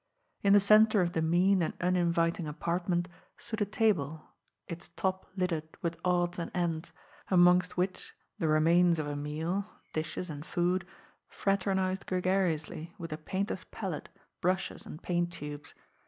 In the centre of the mean and uninviting apartment stood a table, its top littered with odds and ends, amongst which the remains of a meal, dishes and food, fraternised gregariously with a painter's palette, brushes and paint tubes.